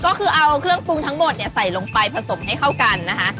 ก็คือเอาเครื่องปรุงทั้งหมดเนี่ยใส่ลงไปผสมให้เข้ากันนะคะ